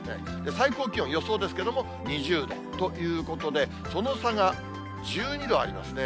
最高気温、予想ですけれども、２０度ということで、その差が１２度ありますね。